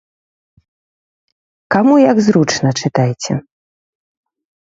Каму як зручна, чытайце.